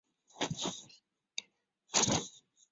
北京各界人士希望在宪法中争取确立民权。